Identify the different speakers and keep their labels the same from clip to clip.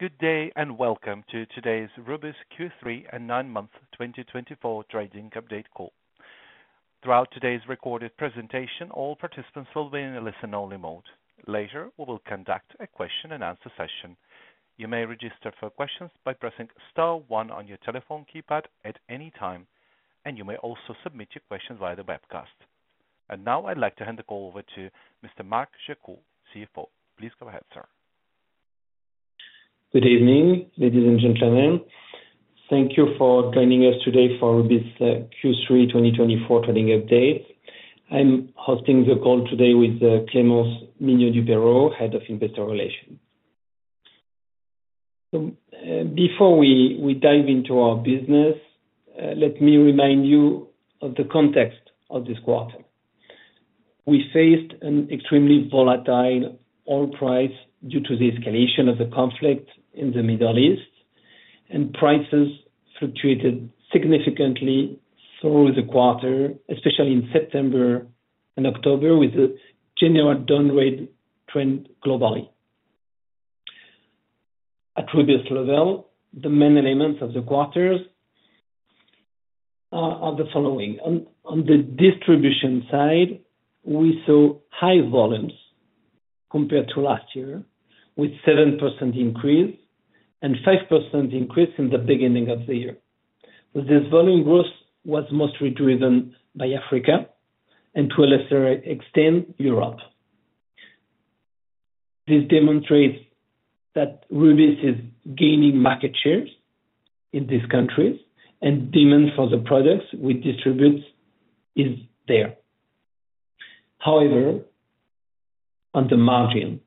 Speaker 1: Good day and welcome to today's Rubis Q3 and 9-month 2024 trading update call. Throughout today's recorded presentation, all participants will be in a listen-only mode. Later, we will conduct a question-and-answer session. You may register for questions by pressing star one on your telephone keypad at any time, and you may also submit your questions via the webcast. And now, I'd like to hand the call over to Mr. Marc Jacquot, CFO. Please go ahead, Sir.
Speaker 2: Good evening, ladies and gentlemen. Thank you for joining us today for Rubis Q3 2024 trading update. I'm hosting the call today with Clémence Mignot-Dupeyrot, Head of Investor Relations. Before we dive into our business, let me remind you of the context of this quarter. We faced an extremely volatile oil price due to the escalation of the conflict in the Middle East, and prices fluctuated significantly through the quarter, especially in September and October, with a general downward trend globally. At Rubis level, the main elements of the quarters are the following. On the distribution side, we saw high volumes compared to last year, with a 7% increase and a 5% increase in the beginning of the year. This volume growth was mostly driven by Africa and, to a lesser extent, Europe. This demonstrates that Rubis is gaining market shares in these countries, and demand for the products we distribute is there. However, on the margin,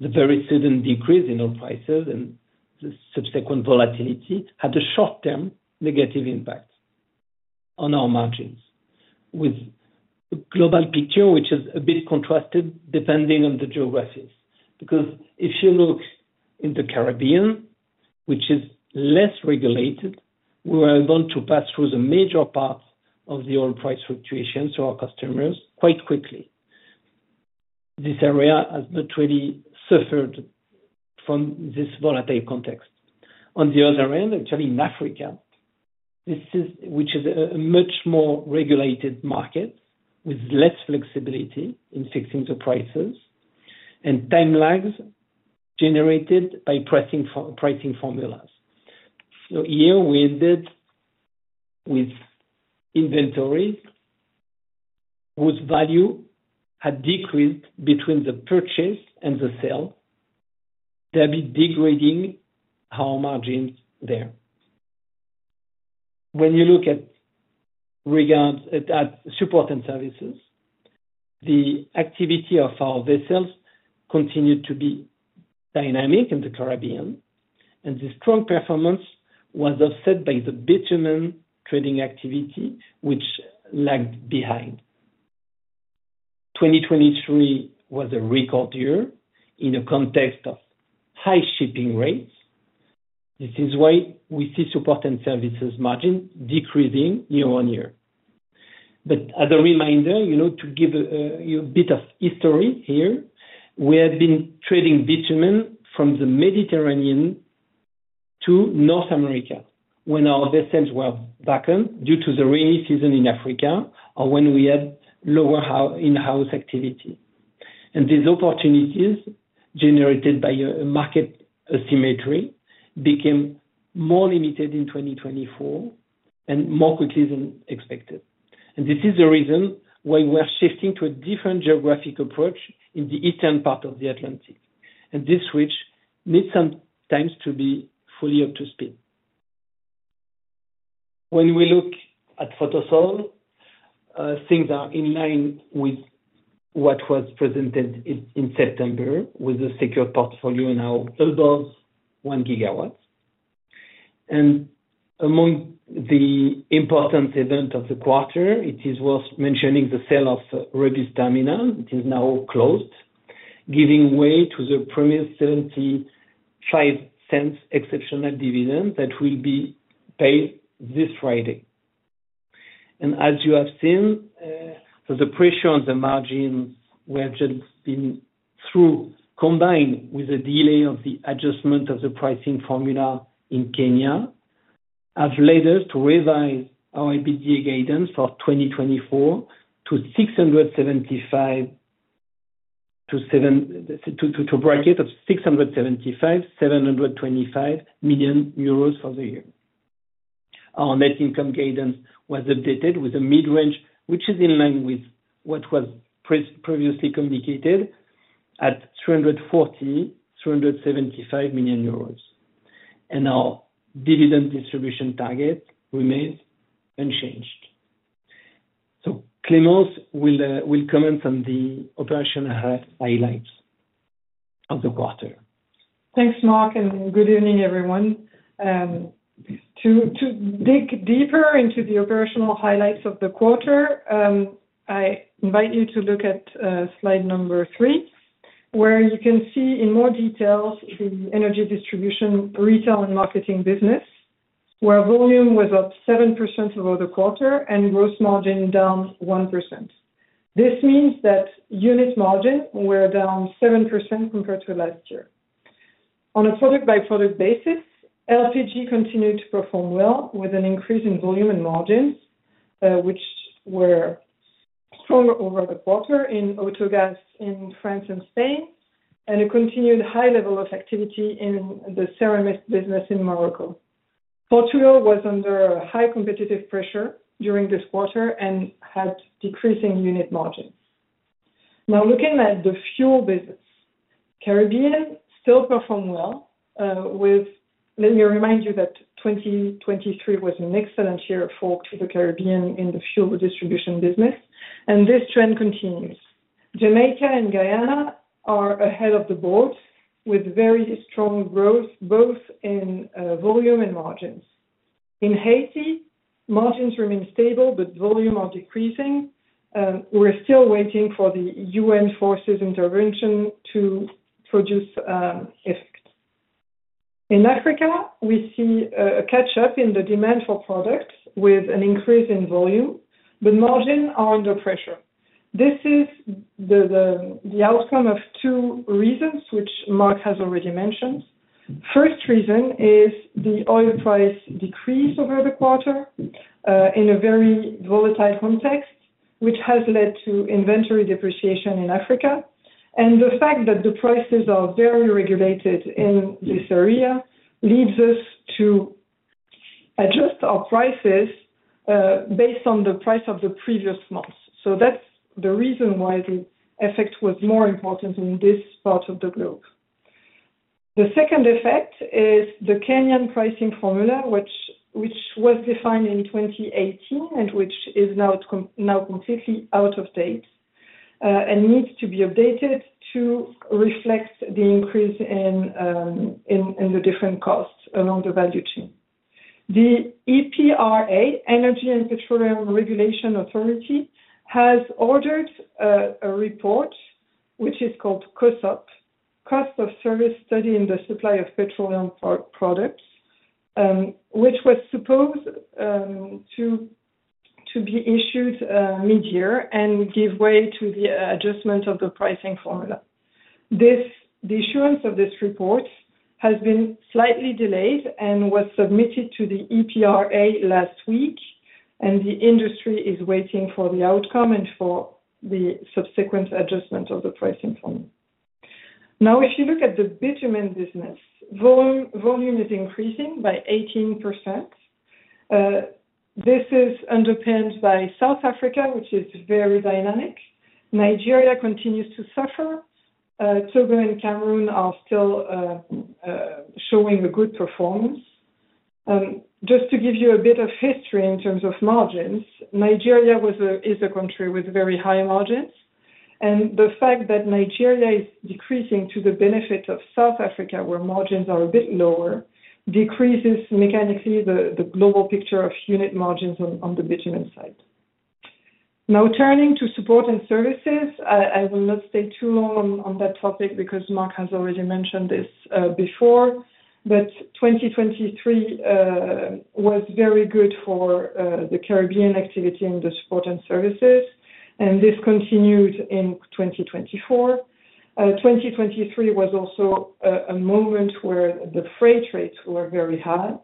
Speaker 2: the very sudden decrease in oil prices and the subsequent volatility had a short-term negative impact on our margins, with a global picture which is a bit contrasted depending on the geographies. Because if you look in the Caribbean, which is less regulated, we were able to pass through the major parts of the oil price fluctuations to our customers quite quickly. This area has not really suffered from this volatile context. On the other end, actually in Africa, which is a much more regulated market with less flexibility in fixing the prices and time lags generated by pricing formulas. So here, we ended with inventories whose value had decreased between the purchase and the sale, degrading our margins there. When you look at Support and Services, the activity of our vessels continued to be dynamic in the Caribbean, and the strong performance was offset by the bitumen trading activity, which lagged behind. 2023 was a record year in the context of high shipping rates. This is why we see support and services margins decreasing year-on-year. But as a reminder, to give you a bit of history here, we have been trading bitumen from the Mediterranean to North America when our vessels were vacant due to the rainy season in Africa or when we had lower in-house activity. And these opportunities generated by market asymmetry became more limited in 2024 and more quickly than expected. And this is the reason why we are shifting to a different geographic approach in the eastern part of the Atlantic. And this switch needs sometimes to be fully up to speed. When we look at Photosol, things are in line with what was presented in September with the secure portfolio in our 1.2 GW, 1 gigawatt. Among the important events of the quarter, it is worth mentioning the sale of Rubis Terminal. It is now closed, giving way to the payment of €0.75 exceptional dividend that will be paid this Friday. As you have seen, the pressure on the margins we have just been through, combined with the delay of the adjustment of the pricing formula in Kenya, has led us to revise our EBITDA guidance for 2024 to a bracket of 675 million-725 million euros for the year. Our net income guidance was updated with a mid-range, which is in line with what was previously communicated at 340 million-375 million euros. Our dividend distribution target remains unchanged. Clémence will comment on the operational highlights of the quarter.
Speaker 3: Thanks, Marc, and good evening, everyone. To dig deeper into the operational highlights of the quarter, I invite you to look at slide number three, where you can see in more detail the energy distribution retail and marketing business, where volume was up 7% over the quarter and gross margin down 1%. This means that unit margins were down 7% compared to last year. On a product-by-product basis, LPG continued to perform well with an increase in volume and margins, which were stronger over the quarter in autogas in France and Spain, and a continued high level of activity in the ceramics business in Morocco. Portugal was under high competitive pressure during this quarter and had decreasing unit margins. Now, looking at the fuel business, the Caribbean still performed well. Let me remind you that 2023 was an excellent year for the Caribbean in the fuel distribution business, and this trend continues. Jamaica and Guyana are ahead of the board with very strong growth, both in volume and margins. In Haiti, margins remain stable, but volumes are decreasing. We're still waiting for the UN forces' intervention to produce effect. In Africa, we see a catch-up in the demand for products with an increase in volume, but margins are under pressure. This is the outcome of two reasons which Marc has already mentioned. The first reason is the oil price decrease over the quarter in a very volatile context, which has led to inventory depreciation in Africa, and the fact that the prices are very regulated in this area leads us to adjust our prices based on the price of the previous months. That's the reason why the effect was more important in this part of the globe. The second effect is the Kenyan pricing formula, which was defined in 2018 and which is now completely out of date and needs to be updated to reflect the increase in the different costs along the value chain. The EPRA, Energy and Petroleum Regulation Authority, has ordered a report which is called COSSOP, Cost of Service Study in the Supply of Petroleum Products, which was supposed to be issued mid-year and give way to the adjustment of the pricing formula. The issuance of this report has been slightly delayed and was submitted to the EPRA last week, and the industry is waiting for the outcome and for the subsequent adjustment of the pricing formula. Now, if you look at the bitumen business, volume is increasing by 18%. This is underpinned by South Africa, which is very dynamic. Nigeria continues to suffer. Togo and Cameroon are still showing a good performance. Just to give you a bit of history in terms of margins, Nigeria is a country with very high margins, and the fact that Nigeria is decreasing to the benefit of South Africa, where margins are a bit lower, decreases mechanically the global picture of unit margins on the bitumen side. Now, turning to support and services, I will not stay too long on that topic because Marc has already mentioned this before, but 2023 was very good for the Caribbean activity in the support and services, and this continued in 2024. 2023 was also a moment where the freight rates were very high,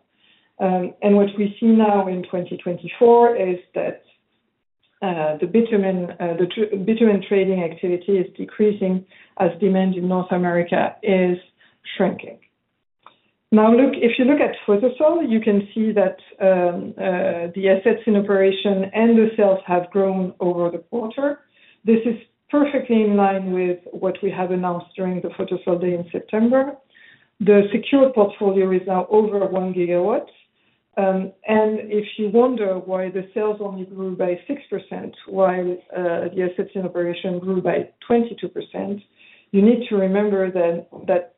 Speaker 3: and what we see now in 2024 is that the bitumen trading activity is decreasing as demand in North America is shrinking. Now, if you look at Photosol, you can see that the assets in operation and the sales have grown over the quarter. This is perfectly in line with what we have announced during the Photosol Day in September. The secure portfolio is now over one gigawatt, and if you wonder why the sales only grew by 6%, why the assets in operation grew by 22%, you need to remember that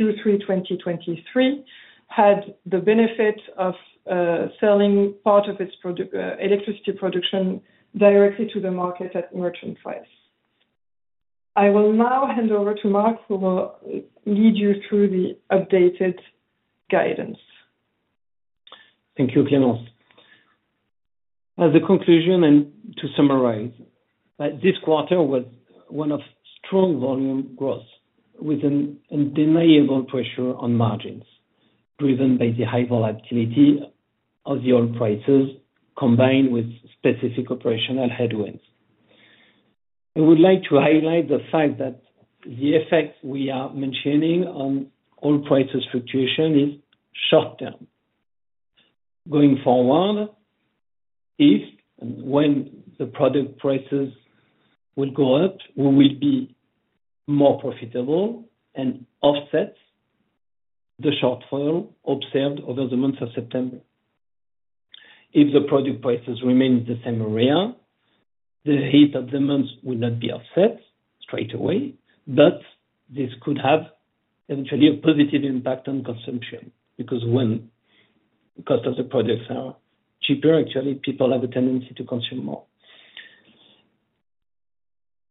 Speaker 3: Q3 2023 had the benefit of selling part of its electricity production directly to the market at merchant price. I will now hand over to Marc who will lead you through the updated guidance.
Speaker 2: Thank you, Clémence. As a conclusion and to summarize, this quarter was one of strong volume growth with an unbelievable pressure on margins driven by the high volatility of the oil prices combined with specific operational headwinds. I would like to highlight the fact that the effect we are mentioning on oil prices' fluctuation is short-term. Going forward, if and when the product prices will go up, we will be more profitable and offset the shortfall observed over the month of September. If the product prices remain in the same area, the heat of the month will not be offset straight away, but this could have eventually a positive impact on consumption because when the cost of the products are cheaper, actually, people have a tendency to consume more.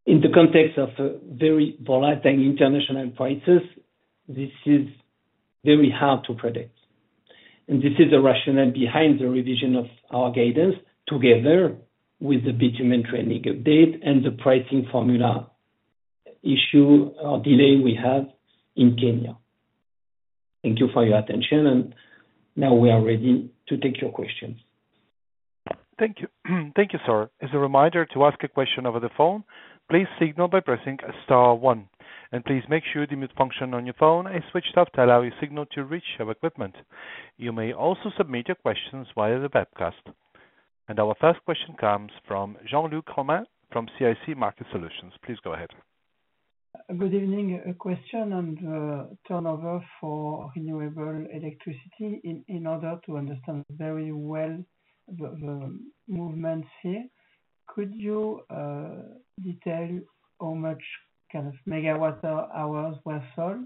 Speaker 2: In the context of very volatile international prices, this is very hard to predict. This is the rationale behind the revision of our guidance together with the bitumen trading update and the pricing formula issue or delay we have in Kenya. Thank you for your attention. Now we are ready to take your questions.
Speaker 1: Thank you. Thank you, sir. As a reminder, to ask a question over the phone, please signal by pressing star one. And please make sure the mute function on your phone is switched off to allow your signal to reach your equipment. You may also submit your questions via the webcast. And our first question comes from Jean-Luc Romain from CIC Market Solutions. Please go ahead.
Speaker 4: Good evening. A question on the turnover for renewable electricity in order to understand very well the movements here. Could you detail how much kind of megawatt hours were sold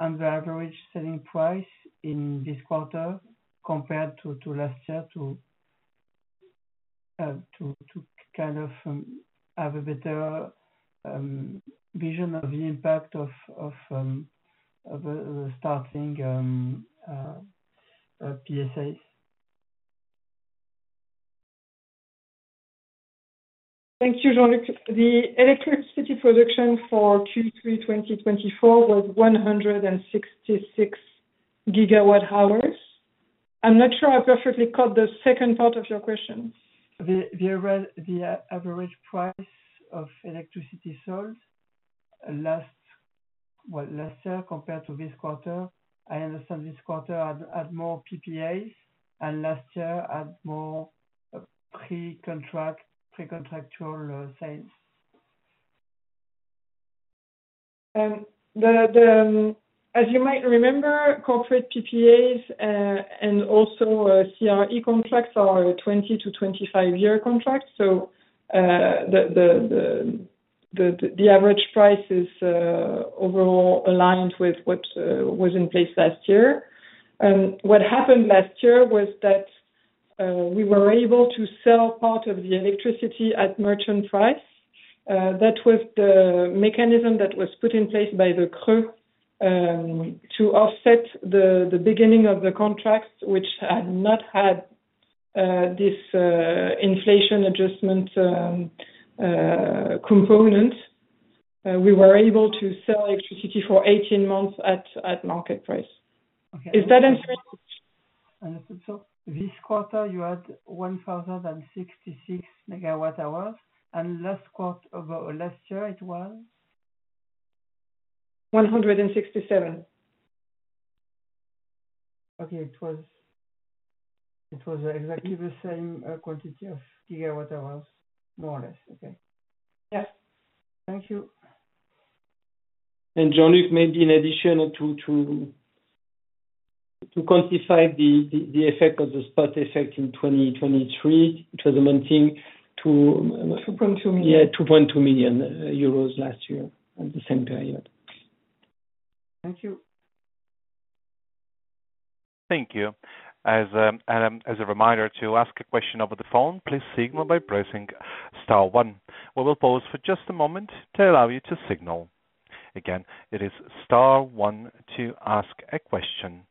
Speaker 4: and the average selling price in this quarter compared to last year to kind of have a better vision of the impact of the starting PSAs?
Speaker 3: Thank you, Jean-Luc. The electricity production for Q3 2024 was 166 gigawatt hours. I'm not sure I perfectly caught the second part of your question.
Speaker 4: The average price of electricity sold last year compared to this quarter? I understand this quarter had more PPAs and last year had more pre-contractual sales.
Speaker 3: As you might remember, corporate PPAs and also CRE contracts are 20-25-year contracts. So the average price is overall aligned with what was in place last year. What happened last year was that we were able to sell part of the electricity at merchant price. That was the mechanism that was put in place by the CRE to offset the beginning of the contracts, which had not had this inflation adjustment component. We were able to sell electricity for 18 months at market price. Is that answering your question?
Speaker 4: I understood so. This quarter, you had 1,066 megawatt hours, and last year, it was?
Speaker 3: 167.
Speaker 4: Okay. It was exactly the same quantity of gigawatt hours, more or less. Okay.
Speaker 3: Yes.
Speaker 4: Thank you.
Speaker 2: Jean-Luc, maybe in addition to quantify the effect of the spot effect in 2023, it was amounting to. 2.2 million. Yeah, 2.2 million euros last year at the same period.
Speaker 4: Thank you.
Speaker 1: Thank you. And as a reminder to ask a question over the phone, please signal by pressing star one. We will pause for just a moment to allow you to signal. Again, it is star one to ask a question.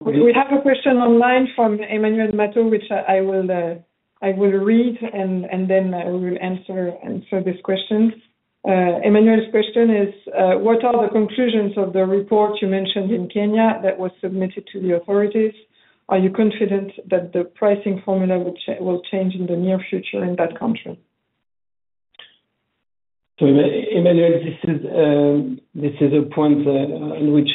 Speaker 3: We have a question online from Emmanuel Matot, which I will read and then we will answer this question. Emmanuel's question is, what are the conclusions of the report you mentioned in Kenya that was submitted to the authorities? Are you confident that the pricing formula will change in the near future in that country?
Speaker 2: Emmanuel, this is a point in which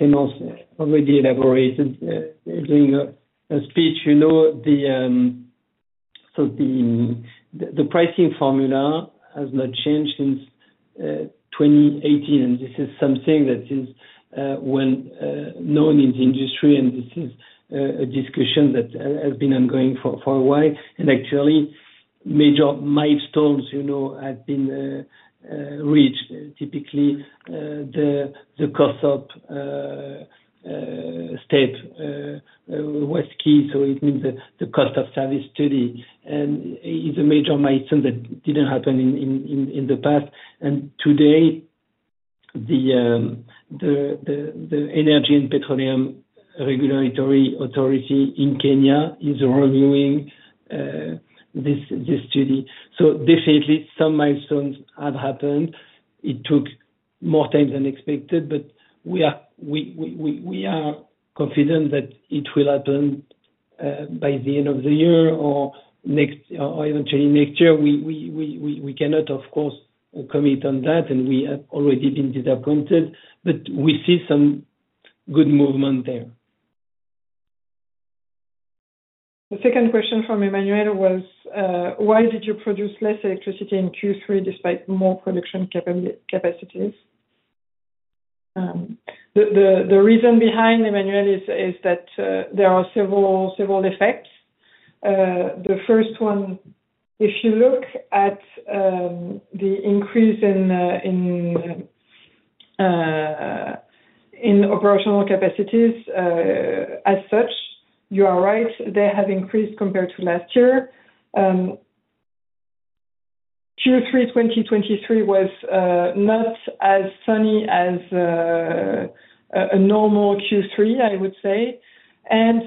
Speaker 2: Clémence already elaborated during a speech. The pricing formula has not changed since 2018. This is something that is well known in the industry, and this is a discussion that has been ongoing for a while. Actually, major milestones have been reached. Typically, the COSOP was key. It means the cost of service study is a major milestone that didn't happen in the past. Today, the Energy and Petroleum Regulatory Authority in Kenya is reviewing this study. Definitely, some milestones have happened. It took more time than expected, but we are confident that it will happen by the end of the year or eventually next year. We cannot, of course, commit on that, and we have already been disappointed, but we see some good movement there.
Speaker 3: The second question from Emmanuel was, why did you produce less electricity in Q3 despite more production capacities? The reason behind, Emmanuel, is that there are several effects. The first one, if you look at the increase in operational capacities as such, you are right. They have increased compared to last year. Q3 2023 was not as sunny as a normal Q3, I would say, and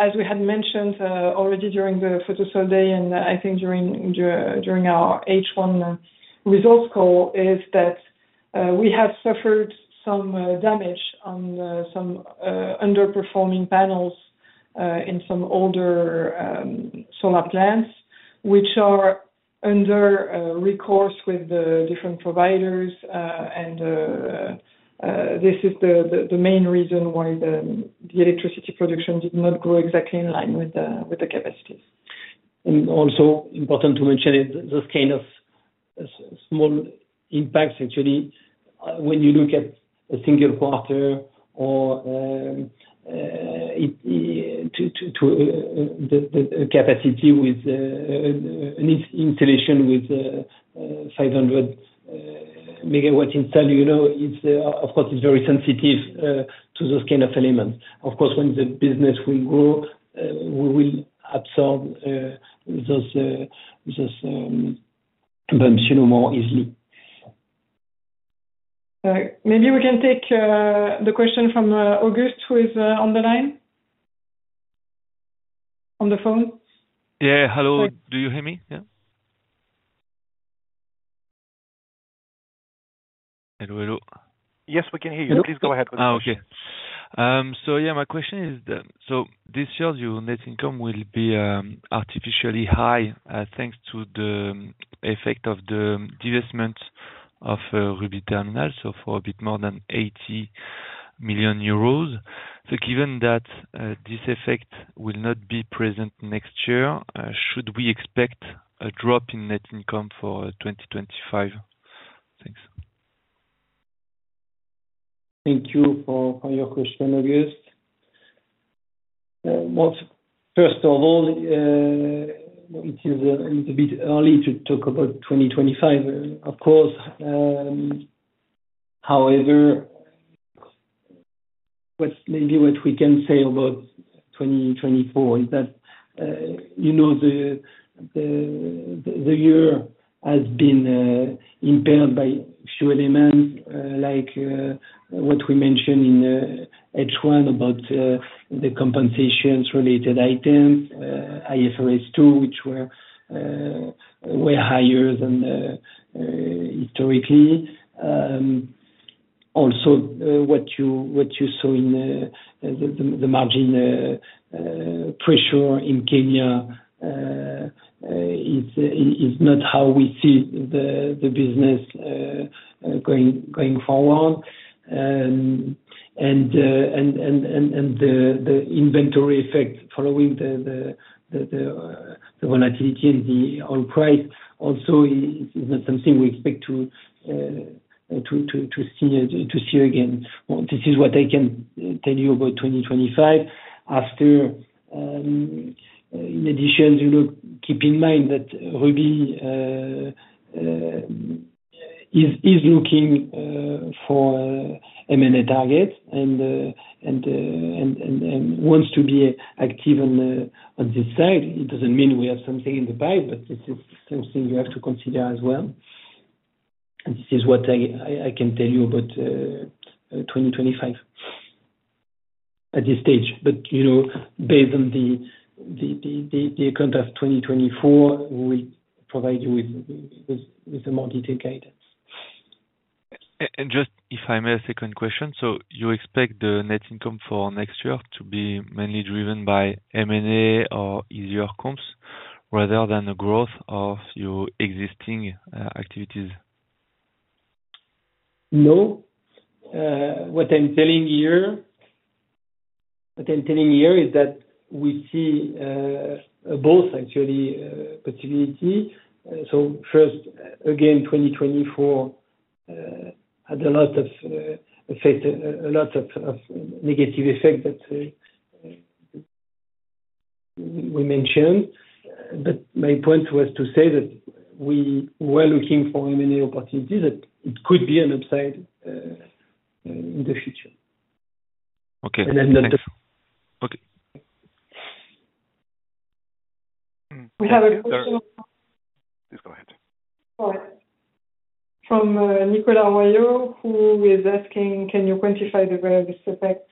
Speaker 3: as we had mentioned already during the Photosol Day and I think during our H1 results call, is that we have suffered some damage on some underperforming panels in some older solar plants, which are under recourse with the different providers, and this is the main reason why the electricity production did not grow exactly in line with the capacities.
Speaker 2: Also important to mention is this kind of small impacts, actually, when you look at a single quarter or the capacity with an installation with 500 megawatt install. Of course, it's very sensitive to those kind of elements. Of course, when the business will grow, we will absorb those bumps more easily.
Speaker 3: Maybe we can take the question from Augustin Saliot, who is on the line on the phone. Yeah. Hello. Do you hear me? Yeah. Hello, hello.
Speaker 1: Yes, we can hear you. Please go ahead. Okay. So yeah, my question is that so this year's net income will be artificially high thanks to the effect of the divestment of Rubis Terminal, so for a bit more than 80 million euros. So given that this effect will not be present next year, should we expect a drop in net income for 2025? Thanks.
Speaker 2: Thank you for your question, August. First of all, it is a little bit early to talk about 2025, of course. However, maybe what we can say about 2024 is that the year has been impaired by a few elements, like what we mentioned in H1 about the compensations-related items, IFRS 2, which were way higher than historically. Also, what you saw in the margin pressure in Kenya is not how we see the business going forward, and the inventory effect following the volatility and the oil price also is not something we expect to see again. This is what I can tell you about 2025. In addition, keep in mind that Rubis is looking for M&A targets and wants to be active on this side. It doesn't mean we have something in the pipe, but this is something you have to consider as well. This is what I can tell you about 2025 at this stage, but based on the outcome of 2024, we'll provide you with a more detailed guidance. Just if I may, a second question. You expect the net income for next year to be mainly driven by M&A or easier comps rather than the growth of your existing activities? No. What I'm telling here is that we see both, actually, possibilities. So first, again, 2024 had a lot of negative effects that we mentioned. But my point was to say that we were looking for M&A opportunities, that it could be an upside in the future. Okay.
Speaker 1: I'm not. Okay.
Speaker 3: We have a question.
Speaker 2: Please go ahead.
Speaker 3: Go ahead. From Nicolas Royot, who is asking, can you quantify the various effects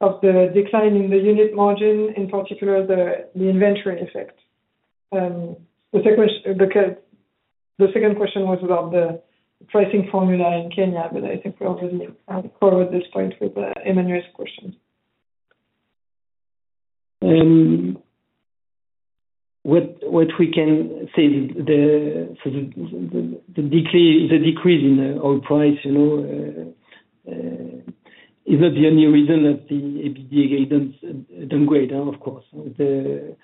Speaker 3: of the decline in the unit margin, in particular the inventory effect? The second question was about the pricing formula in Kenya, but I think we already covered this point with Emmanuel's question.
Speaker 2: What we can say is the decrease in oil price is not the only reason that the EBITDA guidance downgrade, of course. The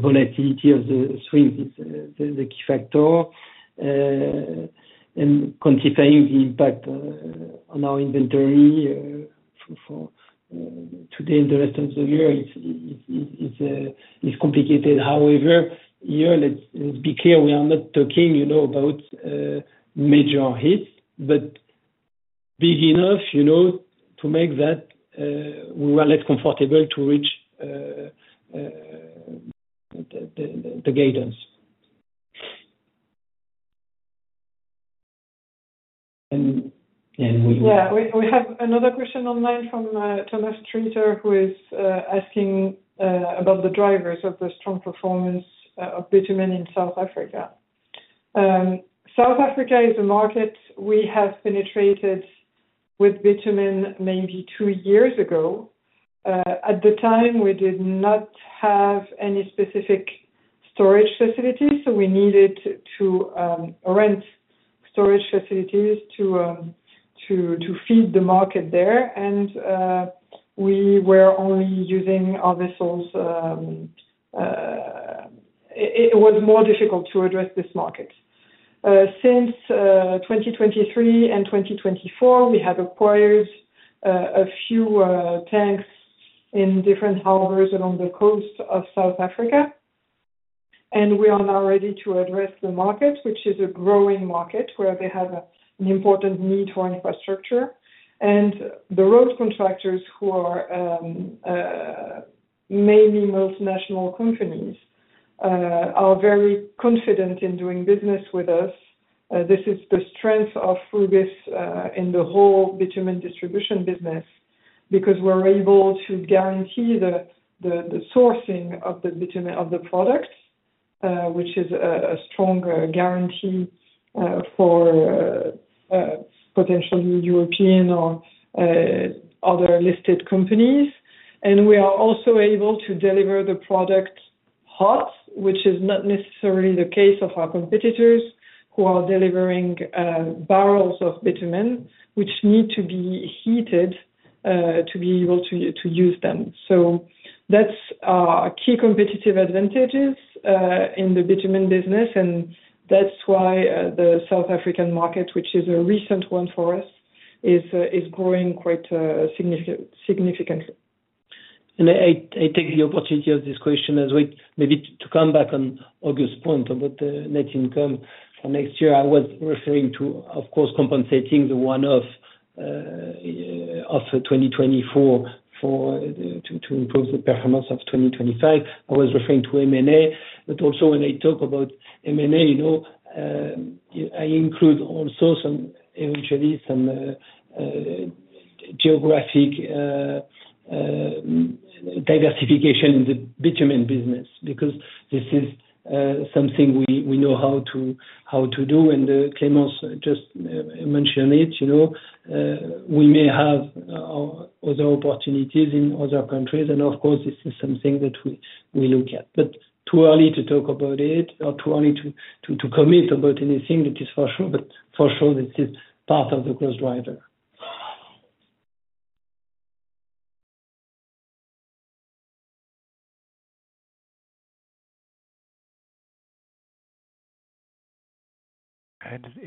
Speaker 2: volatility of the swing is the key factor. And quantifying the impact on our inventory today and the rest of the year is complicated. However, here, let's be clear, we are not talking about major hits, but big enough to make that we were less comfortable to reach the guidance. And we.
Speaker 3: Yeah. We have another question online from Thomas Truter, who is asking about the drivers of the strong performance of bitumen in South Africa. South Africa is a market we have penetrated with bitumen maybe two years ago. At the time, we did not have any specific storage facilities, so we needed to rent storage facilities to feed the market there. And we were only using our vessels. It was more difficult to address this market. Since 2023 and 2024, we have acquired a few tanks in different harbors along the coast of South Africa. And we are now ready to address the market, which is a growing market where they have an important need for infrastructure. And the road contractors, who are mainly multinational companies, are very confident in doing business with us. This is the strength of Rubis in the whole bitumen distribution business because we're able to guarantee the sourcing of the products, which is a strong guarantee for potentially European or other listed companies. And we are also able to deliver the product hot, which is not necessarily the case of our competitors who are delivering barrels of bitumen, which need to be heated to be able to use them. So that's our key competitive advantages in the bitumen business. And that's why the South African market, which is a recent one for us, is growing quite significantly.
Speaker 2: And I take the opportunity of this question as well. Maybe to come back on August's point about net income for next year, I was referring to, of course, compensating the one-off of 2024 to improve the performance of 2025. I was referring to M&A. But also when I talk about M&A, I include also eventually some geographic diversification in the bitumen business because this is something we know how to do. And Clémence just mentioned it. We may have other opportunities in other countries. And of course, this is something that we look at. But too early to talk about it or too early to commit about anything that is for sure. But for sure, this is part of the growth driver.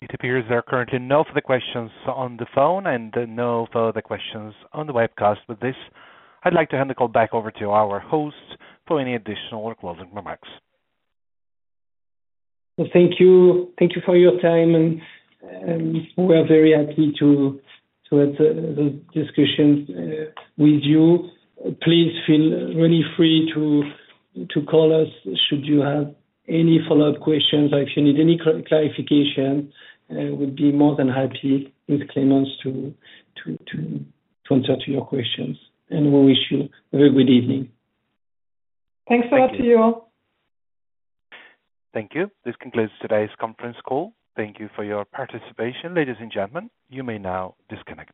Speaker 1: It appears there are currently no questions on the phone and no questions on the webcast. With this, I'd like to hand the call back over to our host for any additional closing remarks.
Speaker 2: Thank you. Thank you for your time. We are very happy to have the discussion with you. Please feel really free to call us should you have any follow-up questions or if you need any clarification. We'd be more than happy with Clémence to answer your questions. We wish you a very good evening.
Speaker 3: Thanks a lot to you all.
Speaker 1: Thank you. This concludes today's conference call. Thank you for your participation, ladies and gentlemen. You may now disconnect.